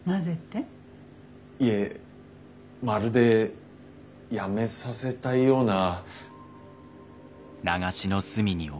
いえまるで辞めさせたいような。